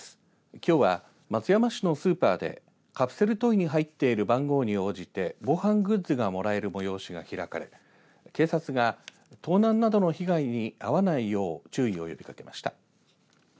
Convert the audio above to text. きょうは松山市のスーパーでカプセルトイに入っている番号に応じて防犯グッズがもらえる催しが開かれ警察が盗難などの被害に遭わないよう注意を呼びかけました。